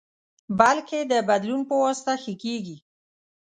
بلکې د بدلون پواسطه ښه کېږي.